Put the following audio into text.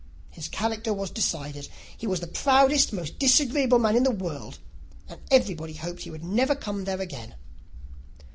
His character was decided. He was the proudest, most disagreeable man in the world, and everybody hoped that he would never come there again.